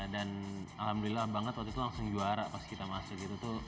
dan alhamdulillah banget waktu itu langsung juara pas kita masuk gitu tuh